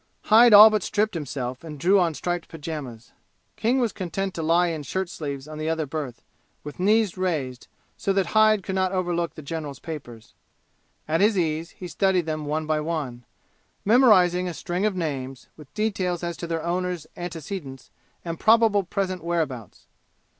Hyde all but stripped himself and drew on striped pajamas. King was content to lie in shirt sleeves on the other berth, with knees raised, so that Hyde could not overlook the general's papers. At his ease he studied them one by one, memorizing a string of names, with details as to their owners' antecedents and probable present whereabouts.